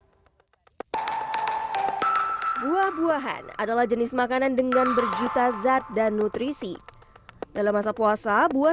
hai buah buahan adalah jenis makanan dengan berjuta zat dan nutrisi dalam masa puasa buah